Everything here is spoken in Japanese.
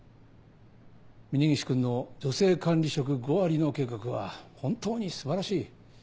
峰岸君の女性管理職５割の計画は本当に素晴らしい。